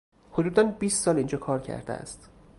حدودا بیست سال اینجا کار کرده است.